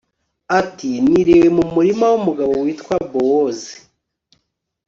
ati niriwe mu murima w'umugabo witwa bowozi